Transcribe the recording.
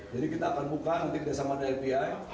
jadi kita akan buka nanti bersama dapi